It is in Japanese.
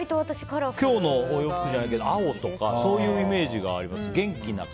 今日のお洋服じゃないけど青とかそういうイメージがあります。